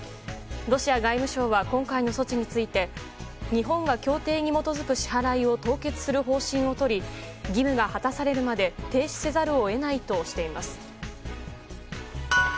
ロシア外務省は今回の措置について日本が協定に基づく支払いを凍結することで義務が果たされるまで停止せざるをえいないとしています。